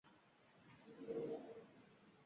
Oliygohda an’anaviy o‘qish boshlandi